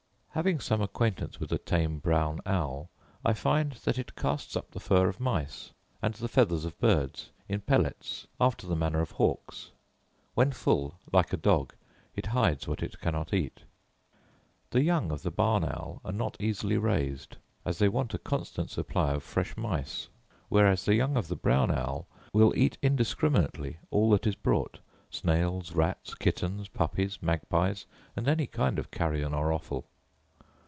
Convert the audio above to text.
Having some acquaintance with a tame brown owl, I find that it casts up the fur of mice, and the feathers of birds in pellets, after the manner of hawks: when full, like a dog, it hides what it cannot eat. The young of the barn owl are not easily raised, as they want a constant supply of fresh mice: whereas the young of the brown owl will eat indiscriminately all that is brought; snails, rats, kittens, puppies, magpies, and any kind of carrion or offal.